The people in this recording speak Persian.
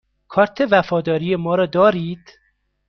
کارت وفاداری ما را دارید؟